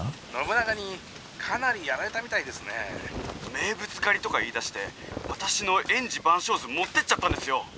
「名物狩りとか言いだして私の『煙寺晩鐘図』持ってっちゃったんですよ！